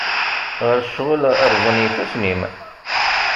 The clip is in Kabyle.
Ɣer ccɣel, rẓen yifassen-im.